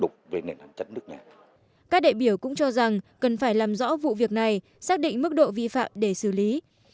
các đại biểu cũng cho rằng cần phải làm rõ vụ việc này xác định mức độ vi phạm để xử lý